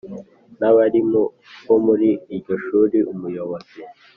N abarimu bo muri iryo shuri umuyobozi